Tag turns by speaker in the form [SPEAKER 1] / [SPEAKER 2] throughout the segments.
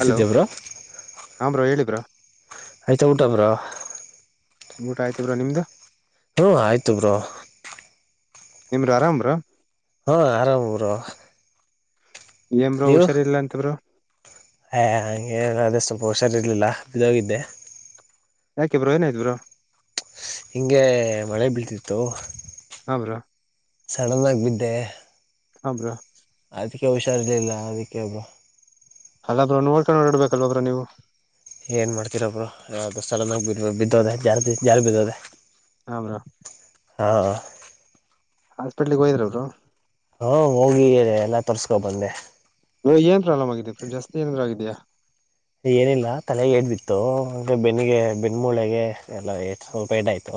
[SPEAKER 1] Hello
[SPEAKER 2] bro
[SPEAKER 1] ಹ bro ಹೇಲಿ bro.
[SPEAKER 2] ಆಯತಾ ಊಟಬ್ರ.
[SPEAKER 1] ಊಟ ಆಯ್ತು ಬ್ರೋ ನಿಮ್ದು.
[SPEAKER 2] ಹ್ಮ ಆಯ್ತು ಬ್ರೋ.
[SPEAKER 1] ನಿಮ್ರ ಆರಾಮ್ರ.
[SPEAKER 2] ಹಾ ಅರಾಮ್ ಬ್ರೋ.
[SPEAKER 1] ಏನ್ ಬ್ರೋ
[SPEAKER 2] ನೀವು
[SPEAKER 1] ಹುಷಾರ ಇಲ್ಲಾ ಅಂತ ಬ್ರೋ.
[SPEAKER 2] ಹ ಹಗೆ ಅಷ್ಟು ಪೋಷರ್ ಇರ್ಲಿಲ್ಲ ಬೋಗಿದ್ದೆ.
[SPEAKER 1] ಯಾಕೆ ಬ್ರೋ ಏನಾಯ್ ಬ್ರೋ.
[SPEAKER 2] ಹಿಂಗೆ ಮಳೆ ಬೀಳ್ತಿತ್ತು.
[SPEAKER 1] ಹಾ ಬ್ರೋ
[SPEAKER 2] ಸಡನ್ ಆಗಿ ಬಿದ್ದೆ.
[SPEAKER 1] ಹ ಬ್ರೋ.
[SPEAKER 2] ಆಯ್ತ. ಹುಷಾರ್ಲಿಲ್ಲ ಅದಕ್ಕೆ ಒಬ್ಬ.
[SPEAKER 1] ಅಲ್ಲಾದ್ರರು ನೋಡ್ಕೊಂಡ ನೋಡ ಇಡ್ಬೇಕಲ್ದ್ರ ನೀವು.
[SPEAKER 2] ಏನು ಮಾಡ್ತೀರೊಬ್ರು ಅದು ಸಡನ್ನಾಗಿ ಬ ಬಿದ್ದೋದೆೇ ಜಾ ಜಾರಿ ಬಿದ್ದೋದೆೇ.
[SPEAKER 1] ಹ ಬ್ರೋ.
[SPEAKER 2] ಹಾ.
[SPEAKER 1] ಹಾಸ್ಪೆಟ್ಲಿಗೆ ಹೋದ್ರದು
[SPEAKER 2] ಹಾ ಹೋಗಿ ಎಲ್ಲ ತೋರ್ಸ್ಕೊ ಬಂದೆ
[SPEAKER 1] ನೀ ಏನ್ ಆರಾಮ್ ಆಗೀ ಜಾಸ್ತಿ ಏನನ್ ಆಗಿದೆಯಾ
[SPEAKER 2] ಏನಿಲ್ಲ ತಲೆಗೆ ಏದ ಬಿತ್ತುೆ ಬೆನ್ನಿಗೆ ಬೆಣ್ಮೂಳೆಗೆ ಎಲ್ಲ ಸ್ವಲ್ಪ ಏಡ್ಾಯ್ತು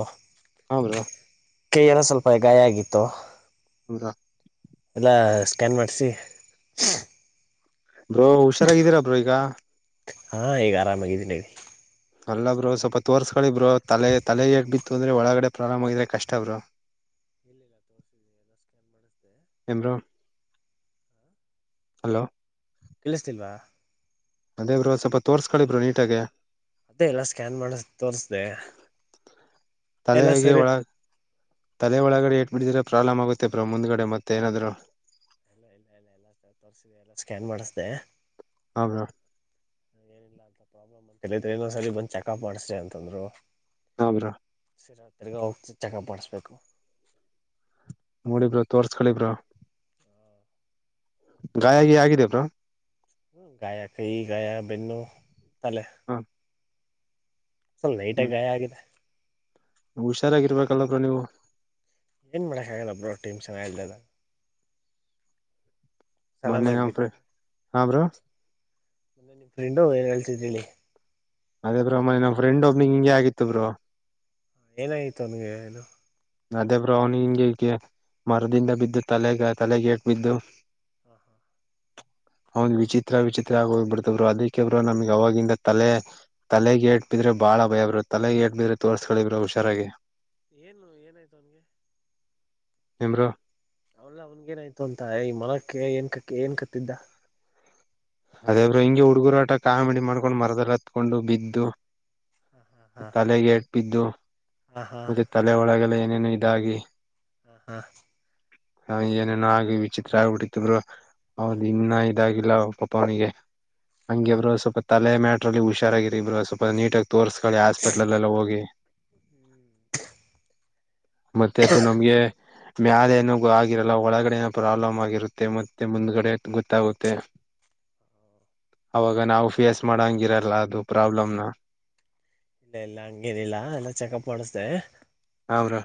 [SPEAKER 1] ಹ್ರಾ
[SPEAKER 2] ಕೈಯ ಎಲ್ಲ ಸ್ವಲ್ಪ ಗಾಯ ಆಗಿತ್ತು
[SPEAKER 1] ಮುಂಗ
[SPEAKER 2] ಎಲ್ಲ ಸ್ಕ್ಯಾನ್ ಮಾಡಿಸಿ
[SPEAKER 1] ಬ್ರೋ ಹುಷಾರಾಗಿದ್ದೀರಾ ಬ್ರೋ ಈಗ
[SPEAKER 2] ಹಾ ಈಗ ಆರಾಮಾಗಿದ್ದೀನಿ
[SPEAKER 1] ಅಲ್ಲಬ್ರು ಸ್ವಲ್ಪ ತೋರ್ಸಗಳಿಬರು ತಲೆ ತಲೆ ಹೇಗ್ ಬಿತ್ತು ಅಂದ್ರೆ ಒಳಗಡೆ ಪ್ರಾರಂಭ ಆಗ್ರ ಕಷ್ಟಬ್ರು
[SPEAKER 2] ಇಲ್ಲಿಲ್ಲ ತೋರ್ಸಿದ್ವಿ ಎಲ್ಲ ಸ್ಕ್ಯಾನ್ ಮಾಡಿಸ್ದೆ
[SPEAKER 1] ಎಮರು ಹಲೋ
[SPEAKER 2] ಕಲ್ಿಸ್ತಿಲ್ವಾ
[SPEAKER 1] ಅದೇ ಬ್ರೋ ಸ್ವಲ್ಪ ತೋರ್ಸ್ಕೊಳ್ಳಿ ಬ್ರೋ ನೀಟಾಗೆ
[SPEAKER 2] ಅದೇ ಎಲ್ಲ ಸ್ಕ್ಯಾನ್ ಮಾಡ ತೋರ್ಸ್ದೆ ಎಲ್ಲ
[SPEAKER 1] ತಲೆಗೆ
[SPEAKER 2] ಸರಿ
[SPEAKER 1] ಒಳ ತಲೆ ಒಳಗಡೆ ಏಟ್ ಬಿಟ್ಟಿದ್ರೆ ಪ್ರಾಬ್ಲಮ್ ಆಗುತ್ತೆ ಬ್ರ ಮುಂದ್ಗಡೆ ಮತ್ತೆ ಏನಾದ್ರು
[SPEAKER 2] ಎಲ್ಲ ಇಲ್ಲ ಇಲ್ಲ ಎಲ್ಲ ತೋರಿಸಿದೆ ಎಲ್ಲ ಸ್ಕ್ಯಾನ್ ಮಾಡಿಸಿದೆ
[SPEAKER 1] ಹಾ ಬ್ರೋ
[SPEAKER 2] ಏನಿಲ್ಲ ಅಂತ ಪ್ರಾಬ್ಲಮ್ ಅಂತ ಕಲಿದ್ರೆ ಇನೊ್ ಸರಿ ಬಂದ ಚೆಕಪ್ ಮಾಡ್ಸ್ರಿ ಅಂತಂದ್ರು
[SPEAKER 1] ಹಮ್ರಾ
[SPEAKER 2] ಸರಾ ತಿರ್ಗ ಹೋಗ್ತ ಚೆಕಪ್ ಮಾಡಿಸ್ಬೇಕು
[SPEAKER 1] ನೋಡಿಬ್ರ ತೋರ್ಸ್ಕಳಬ್ರ ಗಾಯಗಿ ಆಗಿದೇಬ್ರ
[SPEAKER 2] ಗಾಯಕ ಈ ಗಾಾ ಬೆನ್ನು ತಲ್ಲೇ
[SPEAKER 1] ಹ
[SPEAKER 2] ಸಲ್ ನೈಟಾಗ ಗಾಯ ಆಗಿದೆ
[SPEAKER 1] ಹುಷಾರಾಗಿರ್ಬೇಕಲ್್ರ ನೀವು
[SPEAKER 2] ಏನು ಮಾಡಳ ಕಲ್ಲ ಬರ ೀಮ ಸೆಲ್ಲಾ ಸಡನ್
[SPEAKER 1] ಮನ್ನೆ
[SPEAKER 2] ಆಗಿ
[SPEAKER 1] ್ರ ಹಮರ
[SPEAKER 2] ಮೆ ನಿ ಫ್ರೆಂಡು ಏನಳ್ಸಿದ ಹೇಳಿ
[SPEAKER 1] ಅದೇ ಬ್ರ ಮನೆ ನಮ್ಮ ಫ್ರೆಂಡ್ ಒಬ್ನಿಂಗ ಹಿಂಗೆ ಆಗಿತ್ತು ಬ್ರೋ
[SPEAKER 2] ಏನಾಯ್ತು ಅವನ್ಗೆ ಏನು
[SPEAKER 1] ಅದೇ ಬ್ರ ಅವ್ನ ಹಿಂಗಗೆ ಈಗ ಮರದಿಂದ ಬಿದ್ದು ತಲೆಗ ತಲೆಗೇಟ್ ಬಿದ್ದು
[SPEAKER 2] ಹಾ ಹಾ
[SPEAKER 1] ಅವಂದ್ ವಿಚಿತ್ರ ವಿಚಿತ್ರ ಆಗ ಹೋಗ್ಬಿಡ್ತವರು ಅದಕ್ಕೆಬ್ರ ನಮ್ಗ್ ಅವವಾಗಿಂದ ತಲೆ ತಲೆಗೆೇಟ್ಬಿದ್ರೆ ಬಾಳ ಭಯ ಬ್ರ ತಲೆಗೆ ಎಏಟ್ಬಿದ್ರೆ ತೋರ್ಸ್ಕಳಿವ್ರ ಹುಷಾರಾಗಿ
[SPEAKER 2] ಏನು ಏನಾಯ್ತು ಅವನ್ಗೆ
[SPEAKER 1] ತೇಮ್ರ
[SPEAKER 2] ಅವಲ್ಲಾ ಅವನ್ಗ ಏನಾಯ್ತು ಅಂತ ಈ ಮನಕ್ಕೆ ಏನ್ ಕ ಏನ್ ಕತ್ತಿದ್ದ
[SPEAKER 1] ಅದೇಬ್್ರರು ಹಿಂಗೆ ಹುಡುಗರುಾಟ ಕಾಮಿಡಿ ಮಾಡ್ಕೊಂಡು ಮರದಲ್ಲಿ ಹತ್ಕೊಂಡು ಬಿದ್ದು
[SPEAKER 2] ಹಾ ಹಾ ಹಾ
[SPEAKER 1] ಪ್ಪಿದ್ದು
[SPEAKER 2] ಹಾ
[SPEAKER 1] ಮತ್ತೆ ತಲೆ ಒಳಗೆಲ್ಲ ಇೇನು ಇದಾಗಿ
[SPEAKER 2] ಹಾ ಹಾ
[SPEAKER 1] ಹ ಏನೇನುೋ ಆಿ ವಿಚಿತ್ರ ಆಗ್ಬಿಟ್ಟಿತ್ಬ್ರು ಹೌದು ಇನ್ನಯ್ತು ಇದಾಗಿಲ್ಲ ಪಪಾಣಿಗೆ
[SPEAKER 2] ಹಾ
[SPEAKER 1] ಹಂಗಿಬ್ರು ಸ್ವಲ್ಪ ತಲೆ ಮ ಲ್ಲಿ ಹುಾರಾಗಿರಿ ಇಬ್ರು ಸ್ವಲ್ಪ ನೀಟ್ ಆಗ ತೋರ್ಸ್ಕೊಳ್ಳಿ ಹಾಸ್ಪಿಟ್ಲ್ ಎಲ್ಲ ಹೋಗಿ
[SPEAKER 2] ಹ್ಮ್
[SPEAKER 1] ಮತ್ತೆ ಅದು ನಮ್ಗೆ ಮ್ಯಾದನು ಆಗಿರಲ್ಲ ಒಳಗಡೆನ ಪ್ರಾಬ್ಲಮ್ ಆಗಿರುತ್ತೆ ಮತ್ತೆ ಮುಂದ್ಗಡೆ ಗೊತ್ತಾಗುತ್ತೆ ಅವಾಗ ನಾವು ಫೇಸ್ ಮಾಡಂಗಿರಲ್ಲ ಅದು ಪ್ರಾಬ್ಲಮ್ನ
[SPEAKER 2] ಇಲ್ಲ ಎಲ್ಲ ಹಂಗೇನಿಲ್ಲ ಎಲ್ಲ ಚೆಕಪ್ ಮಾಡಿಸ್ದ
[SPEAKER 1] ಹಾ ಬ್ರೋ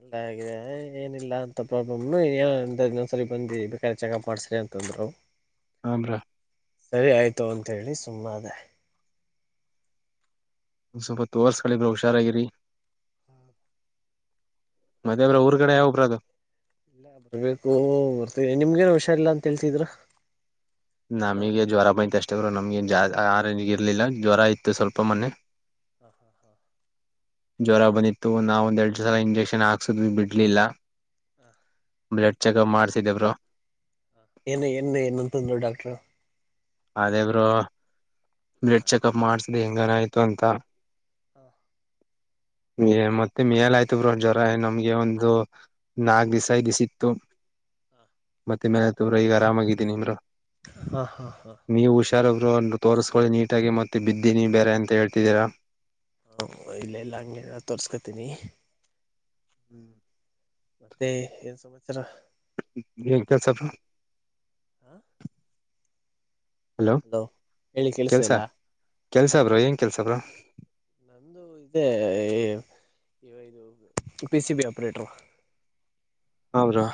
[SPEAKER 2] ಎಲ್ಲ ಆಗಿದೆ ಏನಿಲ್ಲ ಅಂತ ಪ್ರಾಬ್ಲಮ್ನುಂದ್ಸರಿ ಬಂದಿ ಬೇಕಾದ್ರ ಚೆನ್ನಾಗಿ ಮಾಡಸ್ರಿ ಅಂತಂದ್ರು
[SPEAKER 1] ಹಮ್ರಾ
[SPEAKER 2] ಸರಿ ಆಯ್ತು ಅಂತೇಳಿ ಸುಮ್ಮ ಅದೇ
[SPEAKER 1] ಸ್ವಲ್ಪ ತ ವರ್ಸ್ ಕಳಿಬ್ರ ಹುಷಾರಾಗಿಿರಿ ಮದೇಬ್ರ ಊರ್ ಕಡೆ ಯಾವಬ್ರ ಅದು
[SPEAKER 2] ಇಲ್ಲ ಬರ್ಬೇಕು ಬರ್ತೇಿ ನಿಮ್ಗೇನು ಹುಷಾರ ಇಲ್ಲಾ ಅಂತ ಹೇಳ್ತಿದ್ರ
[SPEAKER 1] ನಮಗ ಜ್ರ ಬ ಅಷ್ಟರು ನಮ್ಗೆ ಜ ಆ ಇರ್ಲಿಲ್ಲ ಜ್ವರ ಇತ್ತು ಸ್ವಲ್ಪ ಮೊನೆೆ
[SPEAKER 2] ಹಾ ಹಾ ಹಾ
[SPEAKER 1] ಜ್ವರ ಬಂದಿತ್ತು ನಾವ ಒಂದ್ ಎರಡು ಸಲ ಇಂಜೆಕ್ಷನ್ ಹಾಕ್ಸುದ್ ಬಿಡ್ಲಿಲ್ಲ
[SPEAKER 2] ಹಾ
[SPEAKER 1] ಬ್ಲಡ್ ಚೆಕಪ್ ಮಾಡ್ಸಿದೇವರು
[SPEAKER 2] ಏನು ಏನ್ ಏನಂತಂದ್ರು ಡಾಕ್ಟ್ರ
[SPEAKER 1] ಅದೇ ಬರ ಬ್ಲಡ್ ಚೆಕಅಪ್ ಮಾಡತ ಅದು ಹೆಂಗನ ಆಯ್ತು ಅಂತ
[SPEAKER 2] ಹಾ
[SPEAKER 1] ಮತ್ತೆ ಮೇಲ್ ಆಯ್ತವ್ರ ಜ್ವರ ನಮ್ಗೆ ಒಂದು ನಾಕ್ ದ್ಸ ದಿಸ ಇತ್ತು ಮತ್ತೆ ಮೇಲ್ ಆಯ್ತವ್ರ ಈಗ ಆರಾಮಾಗಿದ್ದೀನಿ ನಿಮ್ರ
[SPEAKER 2] ಹಾ ಹಾ
[SPEAKER 1] ನೀವು ಹುಷಾರ ತೋರಿಸ್ಕೊಳ್ಳಿ ನೀಟ್ಟಾಗಿಗಿ ಮತ್ತೆ ಬಿದ್ದೀನಿ ಬೇರೆ ಅಂತ ಹೇಳ್ತಿದ್ದೀರಾ
[SPEAKER 2] ಹಾ ಇಲ್ಲ ಇಲ್ಲ ಹಂಗೆ ತೋರ್ಸ್ಕತೀನಿ
[SPEAKER 1] ಹ್ಮ್
[SPEAKER 2] ಮತ್ತೆ ಏನ್ ಸಮಸ್ಯೆ
[SPEAKER 1] ಕ ಸಪ
[SPEAKER 2] ಹಾಂ
[SPEAKER 1] ಹಲೋ
[SPEAKER 2] ಹೇಳಿ ಕೇಳಿಸ್ತಾ
[SPEAKER 1] ಕೆಲ್ಸ
[SPEAKER 2] ಇಲ್ಲ
[SPEAKER 1] ಕೆಲ್ಸಬ್ರ ಏನ್ ಕೆಲ್ಸ ಬ್ರ
[SPEAKER 2] ಇ ಇದು ಪಿ ಸಿ ಬಿ ಆಪ್ರೇಟರ್
[SPEAKER 1] ಹ bro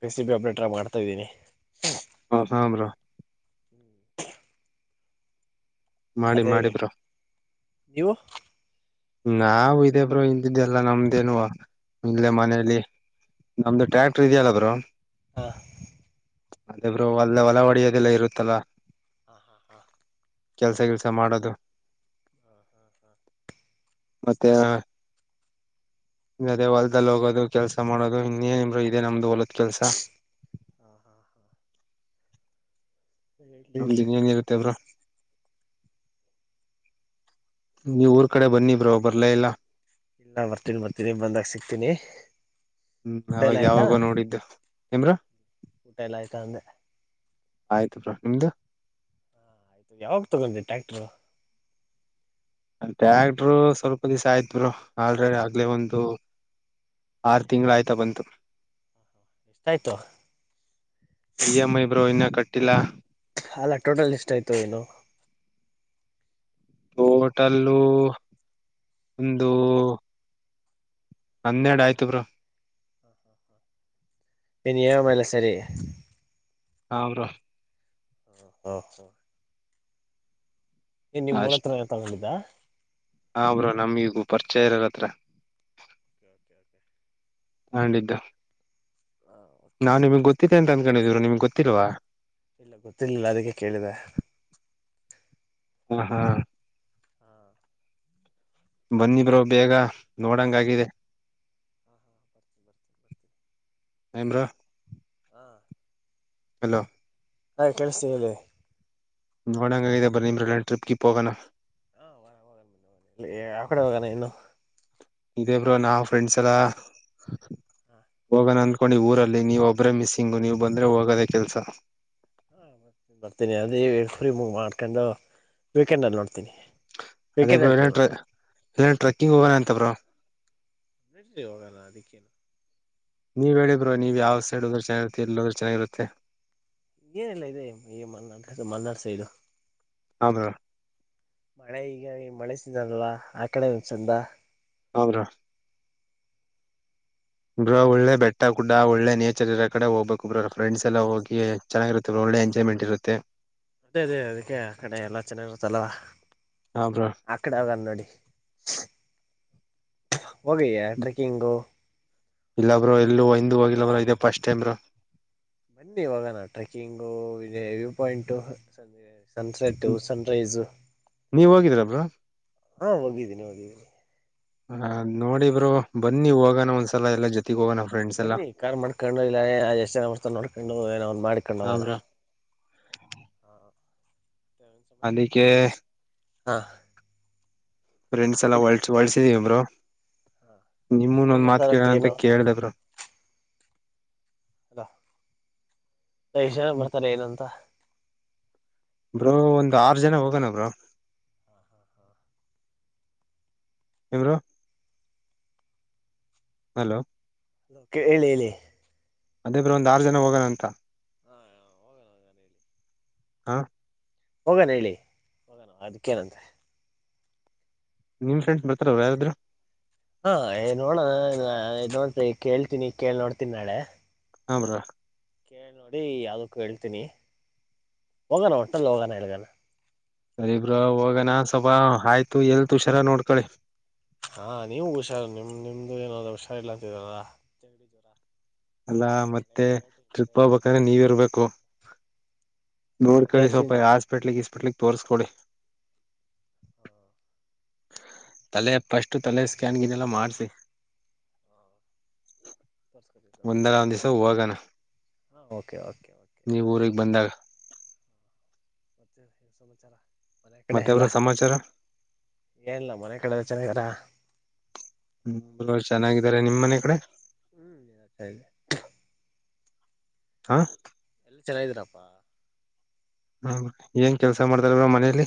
[SPEAKER 2] P C B operator ಆಗ್ ಮಾಡ್ತಾ ಇದೀನಿ.
[SPEAKER 1] ಹಾ ಬ್ರೋ ಮಾಡಿ
[SPEAKER 2] ಅದೇ
[SPEAKER 1] ಮಾಡಿ ಬ್ರೋ
[SPEAKER 2] ನೀವು?
[SPEAKER 1] ನಾವ ಇದೇ ಬ್ರೋ ಇಂದಿಂದಲ್ಲ ನಮ್ದೇನು ಇಲ್ಲೇ ಮನೇಲಿ ನಮ್ದು ಟ್ರ್ಯಾಕ್ಟರ್ ಇದಿಯಲ್ಲ ಬ್ರೋ
[SPEAKER 2] ಹಾ
[SPEAKER 1] ಅದೇ ಬ್ರೋ ವಲ್ಲ ಹೊಲ ಹೊಡೆಯೋದೆಲ್ಲ ಇರುತ್ತಲ್ಲ.
[SPEAKER 2] ಹಾ ಹಾ ಹಾ
[SPEAKER 1] ಕೆಲ್ಸ ಗಿಲ್ಸ ಮಾಡದು.
[SPEAKER 2] ಹಾ ಹಾ ಹಾ
[SPEAKER 1] ಮತ್ತೆ ಅದೇ ಹೊಲ್ದದಲ್ಲಿ ಹೋಗೋದು ಕೆಲ್ಸ ಮಾಡೋದು ಇನ್ನೇನ್ ಬ್ರೋ ಇದೆ ನಮ್ದು ಹೊಲ ಕೆಲ್ಸ.
[SPEAKER 2] ಹಾ ಹಾ ಹಾ ಹೇಳಿ
[SPEAKER 1] ನಮ್ದ್ ಇನ್ನೇನಿರತ್ತೆ ಬ್ರೋ ನೀವ್ ಊರ್ ಕಡೆ ಬನ್ನಿ ಬ್ರೋ ಬರ್ಲೇ ಇಲ್ಲ.
[SPEAKER 2] ಇಲ್ಲ ಬರ್ತೀನಿ ಬರ್ತೀನಿ ಬಂದಾಗ ಸಿಕ್ತೀನಿ.
[SPEAKER 1] ಹ್ಮ್ ಅವಾಗ ಯಾವಾಗೋ ನೋಡಿದ್ದು ಏನ್ ಬ್ರೋ
[SPEAKER 2] ಊಟ ಎಲ್ಲ ಆಯ್ತಾ ಅಂದೆ
[SPEAKER 1] ಆಯ್ತು ಬ್ರೋ ನಿಮ್ದು?
[SPEAKER 2] ಹಾ ಯಾವಾಗ ತಗೊಂಡೆ ಟ್ಯಾಕ್ಟರು.
[SPEAKER 1] ಟ್ಯಾಕ್ಟ್ರು ಸ್ವಲ್ಪ ದಿವಸ ಆಯ್ತ್ ಬ್ರೋ ಆಲ್ರ್ ಆಗ್ಲೇ ಒಂದು ಆರು ತಿಂಗಳು ಆಯ್ತಾ ಬಂತು.
[SPEAKER 2] ಎಷ್ಟಾಯ್ತು
[SPEAKER 1] ಈ ಎಮ್ ಐ ಬ್ರೋ ಇನ್ನ ಕಟ್ ಟಿಲ್ಲ.
[SPEAKER 2] ಅಲ್ಲ ಟೋಟಲ್ ಎಷ್ಟ ಆಯ್ತು ಏನು?
[SPEAKER 1] ಟೋಟಲ್ಲು ಒಂದು ಹನ್ನೆರಡು ಆಯ್ತು ಬ್ರೋ.
[SPEAKER 2] ನಿನ್ ಈ ಎಂ ಐ ಎಲ್ಲ ಸೇರಿ.
[SPEAKER 1] ಹ ಬ್ರೋ.
[SPEAKER 2] ಹ ಏನ್ ನಿಮ್ಮೂರತ್ರನೆ ತಗೊಂಡಿದ್ದ.
[SPEAKER 1] ಹ ಬ್ರೋ ನಮ್ ಈ ಗೂ ಪರಿಚಯ ಇರರತ್ರ.
[SPEAKER 2] ಓಕೆ ಓಕೆ ಓಕೆ
[SPEAKER 1] ತಂಡಿದ್ದು
[SPEAKER 2] ಹಾ
[SPEAKER 1] ನಾನ್
[SPEAKER 2] ಓಕೆ
[SPEAKER 1] ನಿಮಗ್ ಗೊತ್ತಿದ್ದೇ ಅಂತ ಅನ್ ಕಂಡಿದ್ ಬ್ರೋ ನಿಮ್ಗೆ ಗೊತ್ತಿಲ್ವಾ?
[SPEAKER 2] ಇಲ್ಲ ಗೊತ್ತಿರ್ಲಿಲ್ಲ ಅದಕ್ಕೆ ಕೇಳಿದೆ.
[SPEAKER 1] ಹಾ ಹಾ
[SPEAKER 2] ಹಾ
[SPEAKER 1] ಬನ್ನಿ ಬ್ರೋ ಬೇಗ ನೋಡಂಗಾಗಿದೆ
[SPEAKER 2] ಹಾ ಹಾ ಬರ್ತೀನಿ ಬರ್ತೀನಿ ಬರ್ತೀನಿ
[SPEAKER 1] ಏನ್ ಬ್ರೋ
[SPEAKER 2] ಹಾ
[SPEAKER 1] ಹಲೋ
[SPEAKER 2] ಹಾ ಕೇಳ್ಸ್ತಿದೆ ಹೇಳಿ.
[SPEAKER 1] ನೋಡಂಗಾಗಿದೆ ಬನ್ನಿ ಬ್ರೋ ಎಲ್ಲಾರ್ ಟ್ರಿಪ್ ಗ್ರಿಪ್ ಹೋಗಣ.
[SPEAKER 2] ಲೇ ಯಾವ್ ಕಡೆ ಹೋಗಣ ಇನ್ನು,
[SPEAKER 1] ಇದೇ ಬ್ರೋ ನಾವ್ ಫ್ರೆಂಡ್ಸ್ ಎಲ್ಲ
[SPEAKER 2] ಹಾ
[SPEAKER 1] ಹೋಗೋಣ ಅನ್ಕೊಂಡಿವ್ ಊರಲ್ಲಿ ನೀವ್ ಒಬ್ರೆ ಮಿಸ್ಸಿಂಗ್ ನೀವ್ ಬಂದ್ರೆ ಹೋಗೋದೆ ಕೆಲ್ಸ.
[SPEAKER 2] ಹಾ ಬರ್ ಬರ್ತೀನಿ ಅದೆ ಫ್ರೀ ಮು ಮಾಡ್ಕೊಂಡು ವೀಕೆಂಡ್ ಅಲ್ ನೋಡ್ ತಿನಿ ವೀಕೆಂಡ್ ಅಲ್ ಟ್ರೈ ಮಾಡ್
[SPEAKER 1] ಇಲ್ಲನ್ ಟ್ರೆಕ್ಕಿಂಗ್ ಹೋಗಣ ಅಂತ ಬ್ರೋ.
[SPEAKER 2] ನಡರಿ ಯೋಗಲ್ಲ ಅದಕ್ಕೆನು
[SPEAKER 1] ನೀವ ಹೇಳಿದ್ರೋ ನೀವು ಯಾವ್ ಸೈಡ್ೋದ್ರೆನ್ನಾಗಿರುತ್ತೆ ಇಲ್ಲೋದ್ರ ಚೆನ್ನಾಗಿರುತ್ತೆ
[SPEAKER 2] ಏನೆಲ್ಲಾ ಇದೆ ಈ ಮನಾಡ್ ಮನಾಡ್ ಸ ಇದು
[SPEAKER 1] ಹೌದ
[SPEAKER 2] ಮಳೆ ಈಗ ಮಳೆಸಿದಲ್ವಾ ಆ ಕಡೆ ಒಂದ ಚಂದ
[SPEAKER 1] ಹೌ್ರ ಬ್ರ ಒಳ್ಳೆ ಬೆಟ್ಟ ಕೂಡ ಒಳ್ಳೆ ನೇಚರ್ ಇರೋ ಕಡೆ ಹೋಗ್ಬೇಕು ಬ್ರ ಫ್ರೆಂಡಸ್ ಎಲ್ಲ ಹೋಗಿ ಚೆನ್ನಾಗಿರುತ್ತೆ್ರ ಒಳ್ಳೆ ಎಂಜಾಯ್ಮೆಂಟ್ ಇರುತ್ತೆ
[SPEAKER 2] ಅದೇ ಅದೇ ಅದಕ್ಕೆ ಆ ಕಡೆ ಎಲ್ಲಾ ಚೆನ್ನಾಗಿರ್ತ್ತಲ್ಲವಾ
[SPEAKER 1] ಹಾ ಬ್ರೋ
[SPEAKER 2] ಆ ಕಡೆ ಅವ ನೋಡಿ ಹೋಗಯ ಟ್ರೆಕ್ಕಿಂಗು
[SPEAKER 1] ಇಲ್ಲಬ್್ರರು ಎಲ್ಲ ಒಂದು ಹೋಗಿಲ್ಲ್ರ ಇ ಫಸ್ಟ್ ಟೈಮ್ರ
[SPEAKER 2] ಬನ್ನಿ ಇವಾಗಾನ ಟ್ರೆಕ್ಕಿಂಗು ಪಾಯಿಂಟ ಸನ್ಸೆಟ್ಟ ಸನ್ರೈಸ್
[SPEAKER 1] ನೀವ್ ಹೋಗಿದ್ರ ಬ್ರೋ
[SPEAKER 2] ಹಾ ಹೋಗಿದ್ದೀನಿ ಹೋಗಿದ್ದೀನಿ
[SPEAKER 1] ಹದ್ ನೋಡಿಬ್ರು ಬನ್ನಿ ಹೋಗಣ ಒಂದ್ಸಲ ಎಲ್ಲಾ ಜೊತೆ
[SPEAKER 2] ಬನ್ನಿ ಕಾರ್ ಮಾಡ್ಕೊಂಡು ಇಲ್ಲ ಎಷ್ಟು ಜನತ ನೋಡ್ಕೊಂಡು ಏನ್ರು
[SPEAKER 1] ಹಾ
[SPEAKER 2] ಮಾಡಕೊಂಡಲ್ಲ
[SPEAKER 1] ಬ್ರೋ ಅದಿಕ್ಕೆ
[SPEAKER 2] ಹಾ
[SPEAKER 1] ಫ್ರೆಂಡ್ಸ್ ಎಲ್ಲಾ ಹೊಳಸಿದೀವಿಂಬರು
[SPEAKER 2] ಎಷ್ಟ್ ಜನ
[SPEAKER 1] ನಿಮೊಂದ್ ಮಾತ
[SPEAKER 2] ಬರ್ತಾರಂತ
[SPEAKER 1] ಕೇಳೋಣ ಅಂತ
[SPEAKER 2] ಏನು
[SPEAKER 1] ಕೇಳ್ದಬ್ರು
[SPEAKER 2] ಅಲಾ ನ ಬರ್ತಾರೆ ಏನು ಅಂತ
[SPEAKER 1] ಬ್ರೋ ಒಂದ್ ಆರು ಜನ ಹೋಗೋಣ ಬ್ರೋ ಎಮರು ಹಲೋ
[SPEAKER 2] ಹೇಳಿ ಹೇಳಿ
[SPEAKER 1] ಅದೇ ಬ್ರ ಒಂದ್ ಆರು ಜನ ಹೋಗೋಣಂತ
[SPEAKER 2] ಹಾ ಹ
[SPEAKER 1] ಹಾ
[SPEAKER 2] ಹೋಗೋಣ ಹೇಳಿ ಹೋಗಣ ಅದಕ್ಕೇನಂತೆ
[SPEAKER 1] ನಿಮ್ ಫ್ರೆಂಡ್ಸ್ ಬರ್ತಾರ ಯಾರಾದ್ರು
[SPEAKER 2] ಹಾ ನೋಡಣ ನೋಡ್ ಕೇಳ್ತೀನಿ ಕೇಳಳ್ ನೋಡ್ತೀನಿ ನಾಳೆ
[SPEAKER 1] ಹಮ್ರಾ
[SPEAKER 2] ಕೇಳಿ ನೋಡಿ ಯಾವ್ದಕ್ಕೂ ಹೇಳ್ತೀನಿ ಹೋಗಣ ಒಟ್ಟಲ್ಲಿ ಹೋಗೋಣ ಹೇಳ್ಗಣ
[SPEAKER 1] ಅರಿಬ್ರ ಹಾಗನಾ ಸ್ವಬಾ ಆಯ್ತು ಎಲ್ತ್ ಹುಷಾರ ನೋಡ್ಕಳಿ
[SPEAKER 2] ಹಾ ನೀವು ಹುಷಾರು ನಿಮ ನಿಮ್ದು ಏನಾದ್ರ ಹುಷಾರಿಲ್ಲಾತಲ್ಲರ
[SPEAKER 1] ಅಲ್ಲಾ ಮತ್ತೆ ತೃಪ್
[SPEAKER 2] ವೆದರ್
[SPEAKER 1] ಹೋಗ್ಬೇಕಂದ್ರೆ ನೀವ
[SPEAKER 2] ಚೇಂಜ್
[SPEAKER 1] ಇರ್ಬೇಕು ಹ
[SPEAKER 2] ಅಲ್ಲ
[SPEAKER 1] ನೋಡ್ ಕಳಿ
[SPEAKER 2] ವೆದರ್ ಚೇಂಜ್
[SPEAKER 1] ಸ್ವಲ್ಪ ಹಾಸ್ಪಿಟ್ಲ್ ಪರ್ಲಿ ತೋರಿಸಸ್ಕೋಡೆ
[SPEAKER 2] ಹಾ
[SPEAKER 1] ತಲೆ ಪಸ್ು ತಲೆ ಸ್ಕ್ಯಾನ್ಗನ್ನೆಲ್ಲ ಮಾಡ್ಿಸಿಿ ನೀವ್ ಊರಿಗ್ ಬಂದಾಗ
[SPEAKER 2] ಹ ಮತ್ತೆ ಸಮಾಚಾರ ಮನೆ ಕಡೆ
[SPEAKER 1] ಮತ್ತೆ
[SPEAKER 2] ಎಲ್ಲ
[SPEAKER 1] ಬ್ರೋ ಸಮಾಚಾರ
[SPEAKER 2] ಏನಲ್ಲ ಮನೆ ಕಡೆಲ್ಲ ಚೆನ್ನಿದಾರ
[SPEAKER 1] ಹ್ಮ ಚೆನ್ನಾಗಿದ್ದಾರೆ ನಿಮ್ಮ್ ಮನೆ ಕಡೆ
[SPEAKER 2] ಹ್ಮ್ ಎಲ್ಲ
[SPEAKER 1] ಹಾ
[SPEAKER 2] ಎಲ್ಲ ಚೆಲ ಇದ್ರಪ್ಪಾ
[SPEAKER 1] ಹ್ಮ ಏನ್ ಕೆಲ್ಸ ಮಾಡ್ತಾರ ಅವ್ರ ಮನೇಲಿ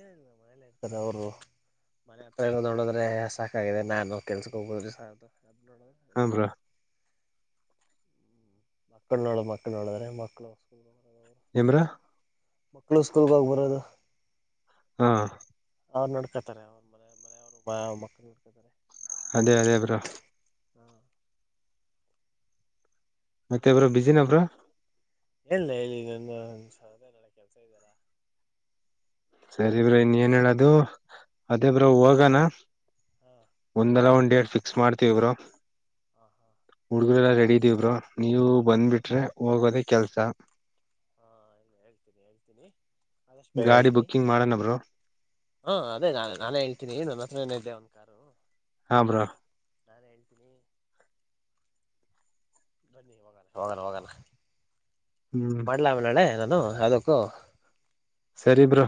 [SPEAKER 2] ಏಲ್ಲ ಮನೇಲೆ ಇರ್ತದೆ ಅವರು ಮನೆ ಹತ್ರ ನೋಡದ್ರೆ ಸಾಕಾಗಿದೆ ನಾನು ಕೆಲ್ಸಕ್ಕೆ ಹೋಗುದ್ರಿದು
[SPEAKER 1] ಹಾ
[SPEAKER 2] ಅದಲಳ್ಳಸ
[SPEAKER 1] ಬ್ರೋ
[SPEAKER 2] ಮಕ್ಕಳ ನೋಳ ಮಕ್ಕಳ ನೋಿದ್ರೆ ಮಕ್ಕಳ
[SPEAKER 1] ಎಮ್ರ
[SPEAKER 2] ಮಕ್ಕಳು ಸ್ಕೂಲ್ಗೋಗಿ ಬರೋದು
[SPEAKER 1] ಹಾ
[SPEAKER 2] ಅವ್ ನಡ್ಕತಾರೆ ಅವ್ರ ಮನೆ ಮನ ಅವ್ರು ಮಕ್ಕಳ ನಡ್ಕತಾರೆ
[SPEAKER 1] ಅದೇ ಅದೇ ಬ್ರೋ
[SPEAKER 2] ಹ್ಮ
[SPEAKER 1] ಮತ್ತೆ
[SPEAKER 2] ಮತ್ತ
[SPEAKER 1] ಬ್ರೋ ಬಿಸಿನ
[SPEAKER 2] ಸಮಾಚಾರ
[SPEAKER 1] ಬ್ರೋ
[SPEAKER 2] ಎಲ್ಲ ಹೇಳಿ ಈಗ ಹಸ ಅದೇ ನ ಕೆಲ್ಸ ಇದ್ದಾರಾ
[SPEAKER 1] ಸರಿ ಬ್ರ ಇನ್ನ ಏನ್ ಹೇಳದು ಅದೇ ಬ್ರ ಹೋಗಣ
[SPEAKER 2] ಹಾ
[SPEAKER 1] ಒಂದಲ ಒಂದ್ ಡೇಟ್ ಫಿಕ್ಸ್ ಮಾಡ್ತವ ಬರು
[SPEAKER 2] ಹಾ ಹಾ
[SPEAKER 1] ಹಡುಗ ಎಲ್ಲ ರೆಡಿ ದೇಬ್ರು ನೀವು ಬಂದ್ಬಿಟ್ರೆ ಹೋಗೋದೇ ಕೆಲ್ಸ
[SPEAKER 2] ಹಾ ಇನ್ ಹೇಳ್ತೀನಿ ಹೇಳ್ತೀನಿ ಆದಷ್ಟು ಬೇಗ
[SPEAKER 1] ಗಾಡಿ
[SPEAKER 2] ಹೇಳ್ತೀನಿ
[SPEAKER 1] ಬುಕ್ಕಿಂಗ್ ಮಾಡೋನಬ್ರು
[SPEAKER 2] ಹಾ ಅದೇ ನ ನಾನೇ ಹೇಳ್ತೀನಿ ನನ್ನ ಹತ್ರನ ಇದ್ದೆ ಒಂದ ಕಾರು
[SPEAKER 1] ಹಮ್ರ
[SPEAKER 2] ನಾನ್ ಹೇಳ್ತೀನಿ ಬನ್ನಿ ಮಂಗ ಮಂಗಣ ವಂಗಣ
[SPEAKER 1] ಹ್ಮ್
[SPEAKER 2] ಮಾಡ್ಲಾ ಅವ ನಾಳೆ ನ ಅ ಯಾವದಕ್ಕೋ
[SPEAKER 1] ಸರಿ ಬ್ರಾ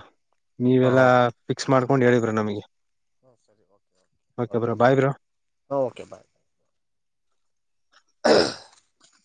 [SPEAKER 1] ನೀವೆಲ್ಲಾ ಫಿಕ್ಸ್ ಮಾಡ್ ತೊಂಡ್ ಹೇಳಿದ್ರ ನಮಗೆ
[SPEAKER 2] ಹಾ ಸರಿ okay
[SPEAKER 1] okay bro bye bro
[SPEAKER 2] ಹ ಓಕೆ ಬಾಯ್ ಬ್ ಹ